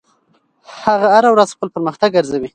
هغه هره ورځ خپل پرمختګ ارزوي.